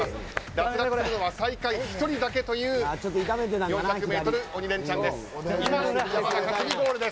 脱落するのは最下位１人だけという４００ｍ鬼レンチャンです。